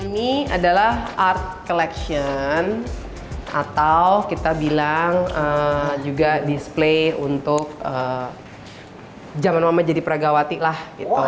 ini adalah art collection atau kita bilang juga display untuk jangan mama jadi pragawati lah gitu